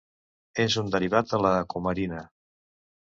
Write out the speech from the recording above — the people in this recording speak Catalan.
És un derivat de la cumarina.